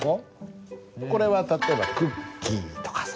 これは例えばクッキーとかさ。